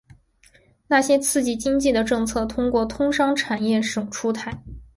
那些刺激经济的政策通过通商产业省出台。